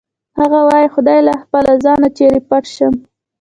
هغه وایی خدایه له خپله ځانه چېرې پټ شم